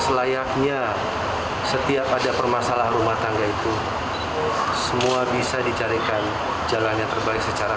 selayaknya setiap ada permasalahan rumah tangga itu semua bisa dicarikan jalan yang terbaik secara